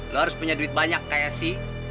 lo harus punya duit banyak kayak sih